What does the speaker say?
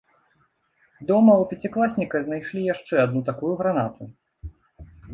Дома ў пяцікласніка знайшлі яшчэ адну такую гранату.